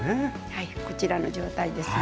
はいこちらの状態ですね。